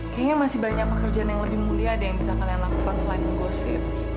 kayaknya masih banyak pekerjaan yang lebih mulia deh yang bisa kalian lakukan selain menggosip